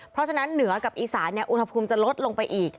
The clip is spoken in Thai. เพราะฉะนั้นเหนือกับอีสานอุณหภูมิจะลดลงไปอีก